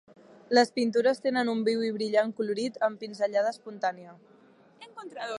Les pintures tenen un viu i brillant colorit amb pinzellada espontània.